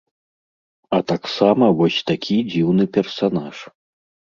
А таксама вось такі дзіўны персанаж.